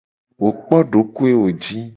Wo kpo dokoewo ji.